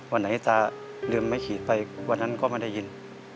วันไหนตาลืมไม่ฉีดไปวันนั้นก็ไม่ได้ยิน